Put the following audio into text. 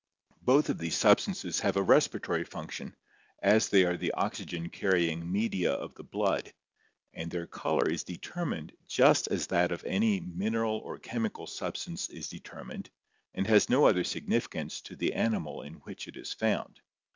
Both 229 230 ORGANIC EVOLUTION of these substances have a respiratory function, as they are the oxygen carrying media of the blood, and their color is determined just as that of any mineral or chemical substance is determined and has no other significance to the animal in which it is found.